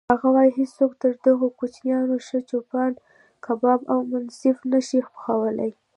هغه وایي: هیڅوک تر دغو کوچیانو ښه چوپان کباب او منسف نه شي پخولی.